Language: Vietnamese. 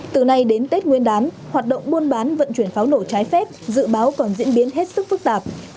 từ nay đến tết nguyên đán hoạt động buôn bán vận chuyển pháo nổ trái phép dự báo còn diễn biến hết sức phức tạp